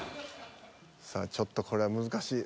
さあちょっとこれは難しい。